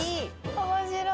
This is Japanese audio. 面白い。